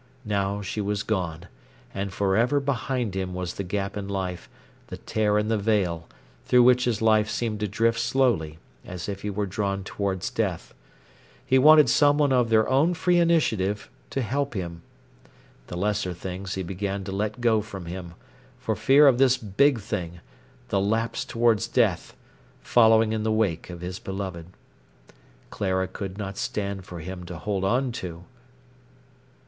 Now she was gone, and for ever behind him was the gap in life, the tear in the veil, through which his life seemed to drift slowly, as if he were drawn towards death. He wanted someone of their own free initiative to help him. The lesser things he began to let go from him, for fear of this big thing, the lapse towards death, following in the wake of his beloved. Clara could not stand for him to hold on to.